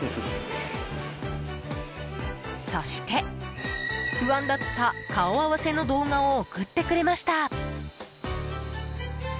そして、不安だった顔合わせの動画を送ってくれました。